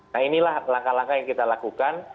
nah inilah langkah langkah yang kita lakukan